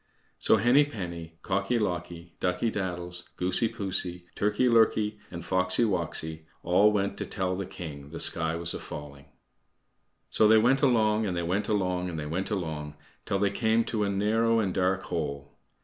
So Henny penny, Cocky locky, Ducky daddles, Goosey poosey, Turkey lurkey, and Foxy woxy all went to tell the king the sky was a falling. So they went along, and they went along, and they went along till they came to a narrow and dark hole.